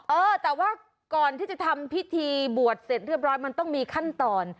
เออแต่ว่าก่อนที่จะทำพิธีบวชเสร็จเรียบร้อยมันต้องมีขั้นตอน